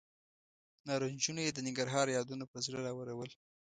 نارنجونو یې د ننګرهار یادونه پر زړه راورول.